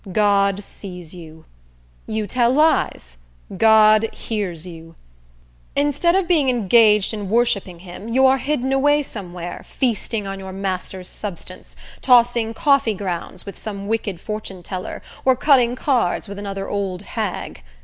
God sees you. You tell lies. God hears you. Instead of being engaged in worshipping him, you are hidden away somewhere, feasting on your master's substance; tossing coffee grounds with some wicked fortuneteller, or cutting cards with another old hag.